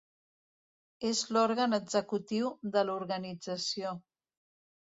És l'òrgan executiu de l'Organització.